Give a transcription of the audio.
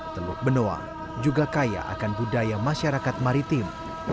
teluk benoa juga kaya akan budaya masyarakat maritim